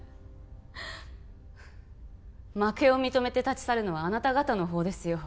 負けを認めて立ち去るのはあなた方のほうですよ